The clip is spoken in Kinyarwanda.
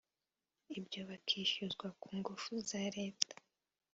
ibyo bakishyuzwa ku ngufu za Leta